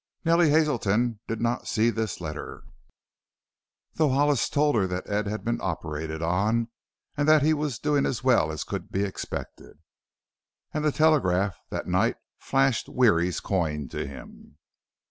Nellie Hazelton did not see this letter, though Hollis told her that Ed had been operated on and that he was doing as well as could be expected. And the telegraph that night flashed Weary's "coin" to him.